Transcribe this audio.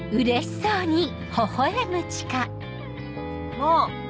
もう！